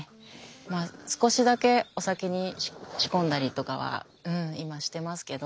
まあ少しだけお酒に仕込んだりとかは今してますけど。